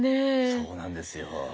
そうなんですよ。